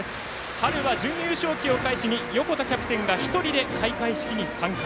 春は準優勝旗を返しに横田キャプテンが１人で開会式に参加。